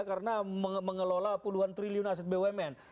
karena mengelola puluhan triliun aset bumn